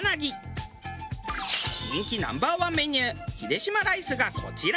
人気Ｎｏ．１メニューヒデシマライスがこちら。